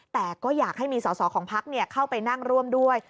แต่ก็อยากให้มีสอสอของพักเข้าไปนั่งร่วมด้วย